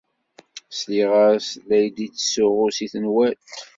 Sliɣ-as la d-yettsuɣu seg tenwalt.